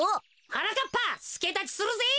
はなかっぱすけだちするぜ。